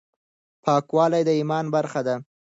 پاکواله د ایمان برخه ده.